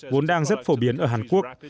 vốn đang rất phổ biến ở hàn quốc